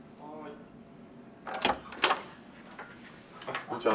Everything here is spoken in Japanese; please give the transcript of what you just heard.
こんにちは。